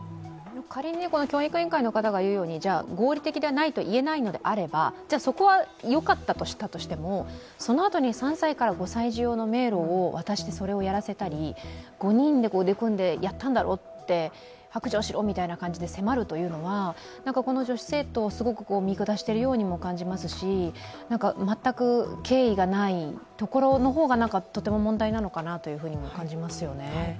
仮にこの教育委員会の方が言うように合理的でないといえないのであれば、そこは、よかったとしたとしてもそのあとに３歳から５歳児用の迷路を渡してそれをやらせたり、５人で腕を組んでやったんだろう、白状しろと迫るというのは、この女子生徒を見下してるようにも感じますし全く敬意がないところの方がとても問題なのかなと思いますよね。